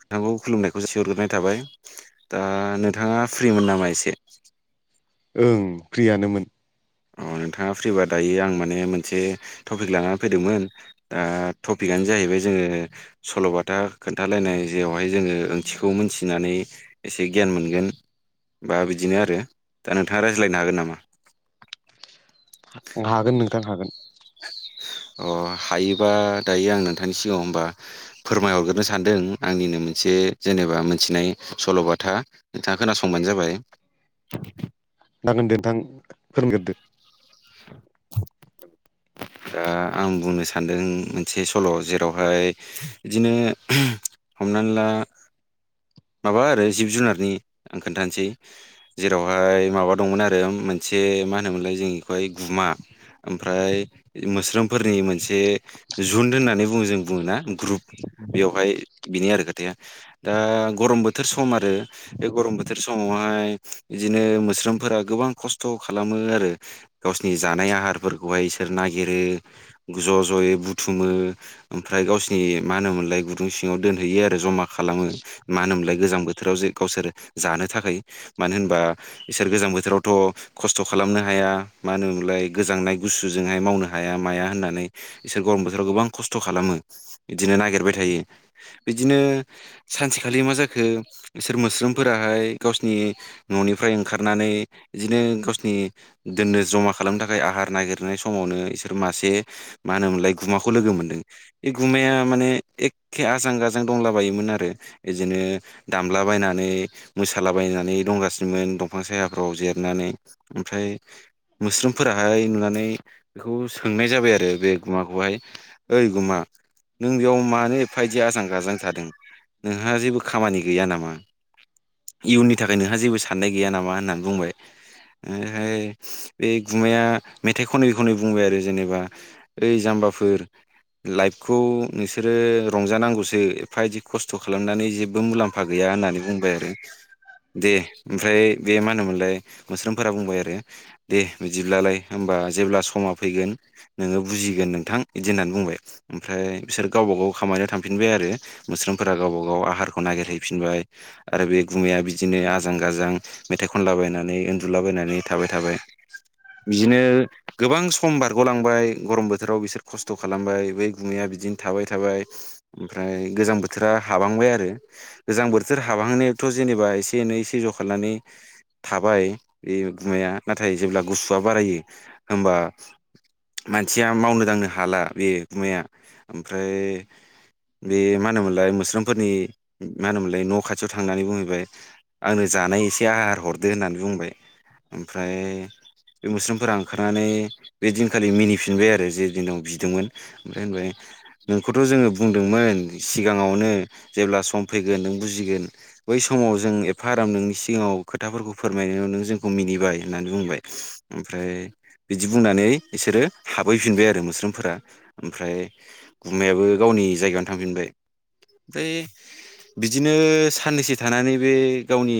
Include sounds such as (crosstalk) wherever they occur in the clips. नोंथांखौ खुलुमनायखौसो जासिहरग्रोनाय थाबाय दा नोंथाङा फ्रिमोन नामा एसे? (inaudible) ओं फ्रियानोमोन औ नोंथाङा फ्रिबा दायो आं माने मोनसे टपिक लानानै फैदोंमोन दा टपिकआनो जाहैबाय जोङो सल'बाथा खोन्थालायनाय जेरावहाय जोङो ओंथिखौ मोनथिनानै एसे गि यान मोनगोन बा बिदिनो आरो दा नोंथाङा रायज्लायनो हागोन नामा? ओं हागोन। (inaudible) अ हायोबा दायो आं नोंथांनि सिगाङाव होमबा फोरमायहरग्रोनो सानदों आंनिनो मोनसे जेनेबा मोनथिनाय सल'बाथा नोंथाङा खोनासंबानो जाबाय जागोन दे नोंथां फोरोंगोरदो (inaudible) दा आं बुंनो सानदों मोनसे सल' जेरावहाय बिदिनो हमना ला माबा आरो जिब जुनारनि आं खोन्थानोसै जेरावहाय माबा दंमोन आरो मोनसे बे मा होनोमोनलाय जों बेखौहाय गुमा ओमफ्राय मोस्रोमफोरनि मोनसे जुन होननानै बुङो जों बुङो ना ग्रुप बेवहाय बेनि आरो खोथाया दा गरम बोथोर सम आरो बे गरम बोथोर समावहाय बिदिनो मोस्रोमफोरा गोबां खस्थ' खालामो आरो गावसिनि जानाय आहारफोरखौहाय बिसोर नागिरो ज' ज' यै बुथ थुमो ओमफ्राय गावसोरनि मा होनोम मोनलाय गुदुं सिङाव दोनहैयो आरो जमा खालामो। मा होनोमोनलाय गोजां बोथोराव जे गावसोर जानो थाखाय मानो होनबा इसोर गोजां बोथोरावथ' खस्थ' खालामनो हाया मा होनोमोनलाय गोजांनाय गुसुजोंहाय मावनो हाया माया होननानै बिसोर खौ गरम बोथोराव गोबां खस्थ' खालामो बिदिनो नागिरबाय थायो बिदिनो सानसे खालि मा जाखो बिसोर मोस्रोमफोराहाय गावसिनि न'निफ्राय ओंखारनानै बिदिनो गावोरनि दोननो जमा खालामनो थाखाय आहार नागिरनाय समावनो बिसोर मासे मा होनो मोन गुमाखौ लोगो मोनदों बे गुमाया माने एखे आजां गाजां दंला बायोमोन आरो बिदिनो दामला बायनानै मोसालाबायनानै दंगासिनोमोन दंफां सायाफ्राव जिरायनानै ओमफ्राय मोस्रोमफोराहाय नुनानै बेखौ सोंनाय जाबाय आरो बे गुमाखौहाय ओइ गुमा नों बेयाव मानो एफबायदि आजां गाजां जादों नोंहा जेबो खामानि गैया नामा इयुननि थाखाय नोंहा जेबो साननाय गैया नामा होननानै बुंबाय ओमफ्राय बे गुमाया मेथाइ खनै खनै बुंबाय आरो जेनेबा ओइ जाम्ब जामबाफोर लाइफखौ नोंसोरो रंजानांगौसो एफा बिदि खस्थ' खस्थ' खालामनानै जेबो मुलाम्फा गैया होननानै बुंबाय आरो दे ओमफ्राय बे मा होनोमोनलाय मुस्रोमफोरा बुंबाय आरो दे बिदिब्लालाय होमबा जेब्ला समा फैगोन नोङो बुजिगोन नोंथां बिदि होननानै बुंबाय ओमफ्राय बिसोर गाव गाव खामाय थांफिनबाय आरो मोसोम फोर गावबा गाव आहारखौ नागिरहैफिनबाय आरो बे गुमाया बिदिनो आजां गाजां मेथाइ खनला बायनानै उन्दुलाबायनानै थाबाय थाबाय बिदिनो गोबां सम बारग'लांबाय गरम बोथोराव बिसोर खस्थ' खालामबाय बै गुमैया बिदिनो थाबाय थाबाय ओमफ्राय गोजां बोथोर बोथोरा हाबहांबाय आरो गोजां बोथोर हाबहांनायथ' जेनेबा एसे एनै ए सि ज' खालामनानै थाबाय बे गुमाया नाथाय जेब्ला गुसुआ बारायो होमबा मानसिया मावनो दांनो हाला बेखुमाया ओमफ्राय बे मा होनोमोनलाय मोस्रोमफोरनि मा होनोमोनलाय न' खाथियाव थांनानै बुंहैबाय आंनो जानाय एसे आहार हरदो होननानै बुंबाय ओमफ्राय बे मोस्रोमफोरा ओंखारनानै बे दिनखालि मिनिफिनबाय आरो जे दिन दं बिदोंमोन ओमफ्राय होनबाय नोंखौथ' जोङो बुंदोंमोन सिगाङावनो जेब्ला सम फैगोन नों बुजिगोन बै समाव जों एफा आराम नोंनि सिगाङाव खो खोथाफोरखौ फोरमायनायाव नों जोंखौ मिनिबाय होननानै बुंबाय ओमफ्राय बिदि बुंनानै बिसोरो हाबहैफिनबाय आरो मोस्रोमफोरा ओमफ्राय गुमायाबो गावनि जायगायावनो थांफिनबाय ओमफ्राय बिदिनो साननैसो थानानै बे गावनि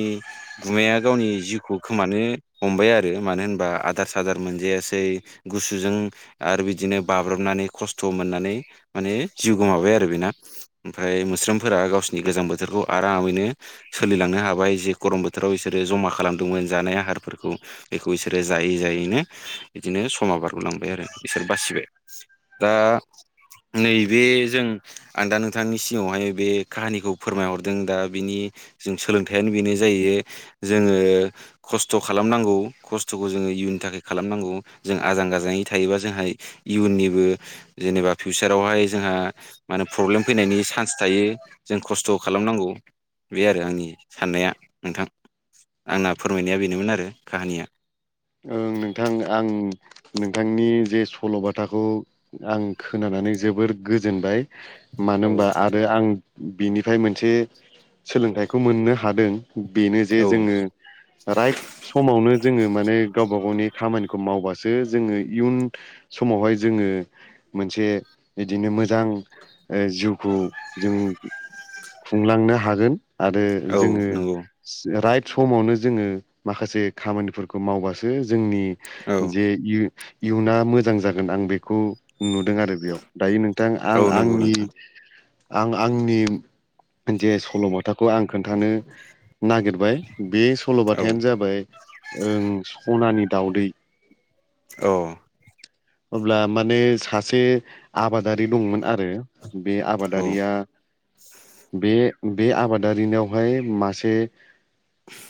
गुमाया गावनि जिउखौ खोमानो हमबाय आरो मानो होनबा आ दार सार मोनजायासै गुसुजों आरो बिदिनो बाब्रबनानै खस्थ' मोननानै माने जिउ गोमाबाय आरो बेना ओमफ्राय मोस्रोमफोरा गावसिनि गोजां बोथोरखौ आरामैनो सोलिलांनो हाबाय जे गरम बोथोराव बिसोरो जमा खालामदोंमोन जानाय आहारफोरखौ बेखौ बिसोरो जायै जायैनो बिदिनो बि समा बारग'लांबाय आरो बिसोर बासिबाय दा नैबे जों आं दा नों नोथांनि सिगावहाय बे काहानिखौ फोरमायहरदों दा बिनि जों सोलोंथायाइयानो बेनो जायो जोङो खस्थ' खालामनांगौ खस्थ'खौ जोङो इयुननि थाखाय खालामनांगौ जों आजां गाजां इउन जानानै थायोब्ला जोंहा इउन निबो जेनेबा फिउसार आवहाय जोंहा माहोनो प्रबलेम जोयो फैनायनि चान्स थायो जों खस्थ' खालामनांगौ बे आरो आंनि साननाया नोंथां आंना फोरमायनाया बेनोमोन आरो काहानिया ओ नोंथां आं नोंथांनि जे सल'बाथाखौ आं खोनानानै नानै जोबोद गोजोनबाय मानो औ होनबा आरो आं बिनिफ्राय मोनसे सोलोंथाइखौ मोननो हादों बेनो जे जोङो राइट समावनो जोङो माने गावबा गावनि खामानि खौ मावबासो जोङो इयुन समावहाय जोङो मोनसे बिदिनो मोजां जिउखौ जों खुंलांनो हागोन आरो औ जोङो नंगौ राइट समावनो जोङो माखासे खामानिफोरखौ मावगासिनो जे जोंनि औ जे इयुना मोजां जागोन आं बेखौ नुदों आरो बेयाव दायो नों आं औ नंगौ आंनि नोंथां आं आंनि जे सल'बाथा खौ आं खोन्थानो नागिरबाय बे औ सल'बाथायानो जाबाय ओ सनानि दाउदै औ अब्ला माने सासे आबादारि दंमोन आरो बे औ आबादारिआ बे बे आबादारिनावहाय मासे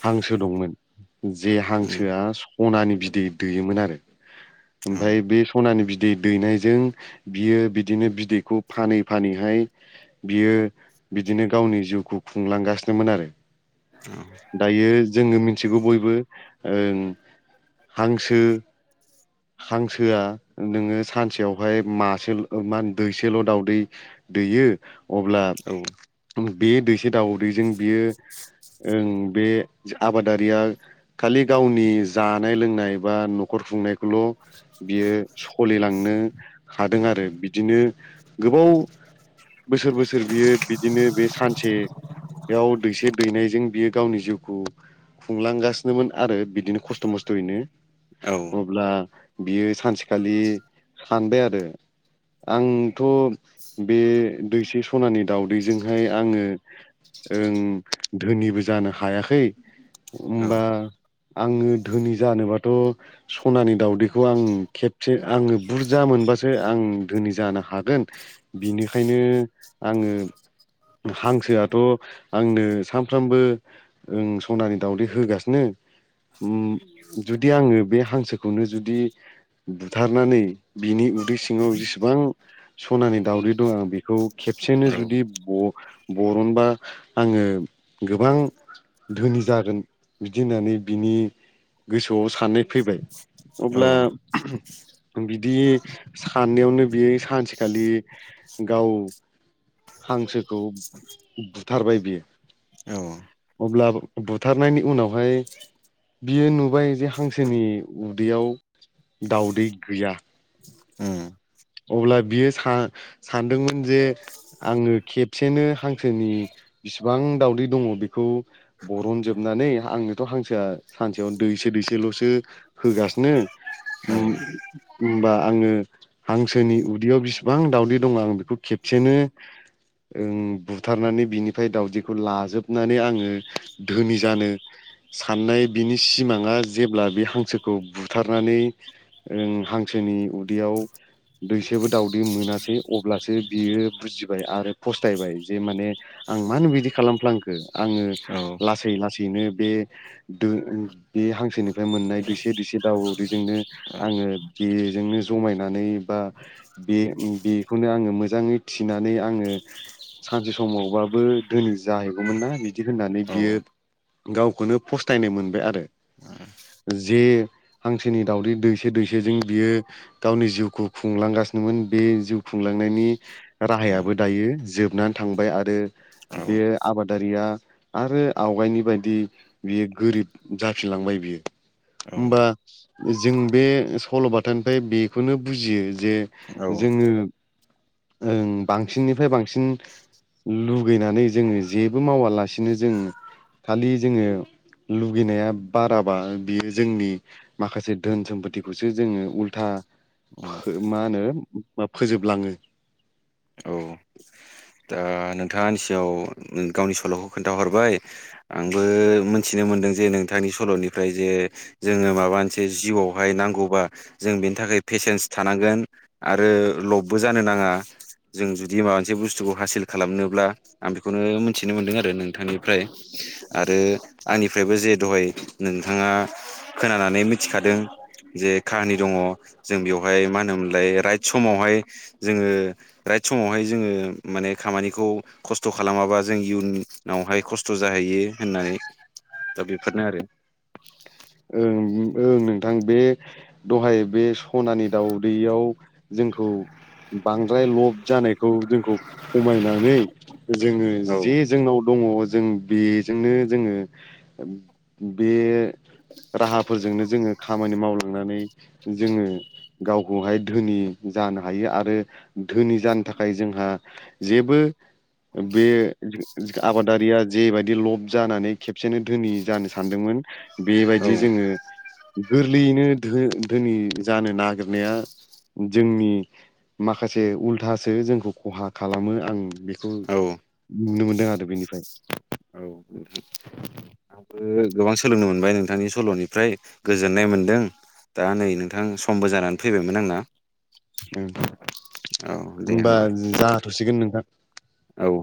हांसो दंमोन जे उम हांसोआ सनानि बिदै दैयोमोन आरो औ ओमफाय बे सनानि बिदै बिदै दैनायजों बियो बिदिनो बिदैखौ फानै फानैहाय बियो (inaudible) बिदिनो गावनि जिउखौ खुंलांगासिनोमोन आरो औ दायो जोङो मिथिगौ बयबो ओं हांसो हांसोआ नोंओ सानसेआवहाय मासे'ल' माहोनो दैसेल' दावदै दैयो अब्ला औ उम बे दैसे दावदैजों बियो उम बे आबादारिया खालि गावनि जानाय लोंनाय बा न'खर खुंनाय खौल' बियो सलिलांनो हादों आरो बिदिनो गोबाव बोसोर बोसोर बियो बिदिनो बे सानसेआव दैसे दैनायजों बियो गावनि जिउखौ खुंलांगासिनोमोन आरो बिदिनो खस्थ' मस्थ'यैनो बे औ अब्ला बेयो सानसेखालि सानबाय आरो आंथ' बे दैसे सनानि दावदैजोंहाय आङो ओ धोनिबो जानो हायाखै औ होमबा आङो धोनि जानोबाथ' उम‌ सनानि दाउदैखौ आं खेबसे आङो बुरजा मोनबासो आं ओ धोनि जानो हागोन बिनिखायनो आङो हांसोआथ' हो आंनो सानफ्रामबो ओ सनानि दावदै होगासिनो (inaudible) जुदि आङो बे हांसोखौनो जुदि बुथारनानै बिनि उदै सिङाव जेसेबां सनानि दाउदै दं आं बेखौ औ खेबसेनो जुदि ब' बर'नबा आङो गोबां धोनि जागोन बिदि होननानै बिनि गोसोआव साननाय फैबाय औ अब्ला उम बिदि साननायावनो बेयो सानसेखालि गाव हांसोखौ बुथारबाय औ बियो अब्ला बुथारनायनि उनावहाय बियो नुबाय जे हांसोनि उदैआव दावदै गैया अब्ला बियो सा सानदोंमोन जे आङो खेबसेनो हांसोनि बिसिबां दावदै दं बेखौ बरनजोबनानै आंनोथ' हांसोआ सानसेयाव दै दैसे दैसेल'सो होगासिनो ओम होनबा आङो हांसोनि उदैयाव बिसिबां दावदै दं आं बेखौ खेबसेनो ओ बुथारनानै बिनिफ्राय दाउदैखौ लाजोबनानै आङो धोनि जानो साननाय बेनि सिमाङा जेब्ला बे हांसोखौ बुथारनानै ओ हांसोनि नि उदैआव (inaudible) दैसेबो दाउदै मोनासै अब्लासो बियो बुजिबाय आरो फसथायबाय जे माने आं मानो बिदि खालामफ्लांखो आङो लासै लासैनो बे दोनि (inaudible) हांसोनिफाय मोननाय दोइसे दोइसे दाउदैजोंनो आङो बेजोंनो ज'माय नानैबा बे बेखौनो आंङो मोजांयै थिनानै आंङो सानसे सम समावबाबो धोनि जाहैगौमोन ना बिदि होननानै बियो गावखौनो फस्थायनो मोनबाय आरो जे हांसोनि दावउदै दैसे दैसेजों बियो गावनि जिउखौ खुंलांगासिनोमोन बे जिउ खुंलांनायनि राहायाबो दायो जोबनानै थां थांबाय आरो बे आबादारिया आरो आवगायनि बायदि बेयो गोरिब जाफिनलांबाय । होमबा जों बे सल'बाथानिफ्राय बे बेखौनो बुजियो जे औ जोङो । ओं बांसिननिफ्राय बांसिन लुगैनानै जोङो जेबो मावालासिनो जों खालि जोङो । लुगैनाया बाराबा बियो जोंनि माखासे धोन सम्फथिखौसो जोङो उल्था फो मा होनो मा फोजोबलाङो। औ दा नोंथाङा आंनि सिगाङाव गावनि सल'खौ खोन्थाहरबाय । आंबो मिथिनो मोनदों। जे नोंथांनि सल'निफ्राय जे जोङो माबा मोनसे जिउआवहाय नांगौबा जों बेनि थाखाय पेसेनस थानांगोन आरो लबबो जानो नांआ जों जुदि माबा मोनसे बुसथुखो हासिल खालामनोब्ला आं बेखौनो मिथिनो मोनदों आरो नोंथांनिफ्राय आरो आंनिफ्राय निफ्रायबो जे दहाय नोंथाङा खोनानानै मिथिखादों । जे काहानि दङ जों बेवहाय मा होनोमोनलाय राइट समावहाय जोङो राय बे समावहाय जोङो । माने खामानिखौ खस्थ' खालामाबा जों इयुनावहाय खस्थ' जाहैयो होननानै । दा बेफोरनो आरो। ओं ओं नोंथां बे दहाय बे सनानि दाउदैयाव । जोंखौ बांद्राय लब जानायखौ जोंखौ खमायनानै नै जोङो औ जे जोंनाव दङ जों बेजोंनो जोङो बे राहाफोरजोंनो जोङो खामानि मावलांनानै जोङो गावखौहाय धोनि जानो हायो आरो धोनि जानो थाखाय जोंहा जेबो । बे जे जे आबादारिया जेबायदि लब जानानै खेबसेनो धोनि जानो सानदोंमोन। औ बेबायदि जोङो । गोरलैयैनो धो धोनि जानो नागिरनाया जोंनि माखासे उल्थासो जोंखौ खहा खालामो आं बेखौ औ नुनो मोनदों आरो बेनिफ्राय औ नोंथां आंबो गोबां सोलोंनो मोनबाय नोंथांनि सल'निफ्राय गोजोननाय मोनदों दा नै नोंथां समबो जानानै फैबायमोन आंना उम औ दे ओमबा होमबा जाथ'सिगोन नोंथां । औ